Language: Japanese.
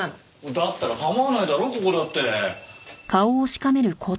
だったら構わないだろここだって。